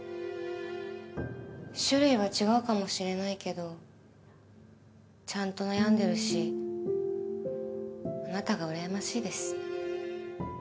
種類は違うかもしれないけどちゃんと悩んでるしあなたが羨ましいです。